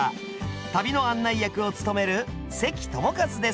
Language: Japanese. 旅の案内役を務める関智一です。